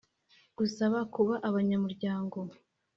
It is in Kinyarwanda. Gusaba kuba abanyamuryango